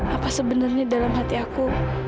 apa sebenarnya dalam hati aku